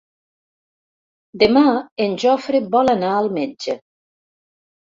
Demà en Jofre vol anar al metge.